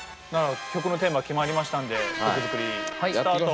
曲のテーマ決まりましたんで曲作りスタート！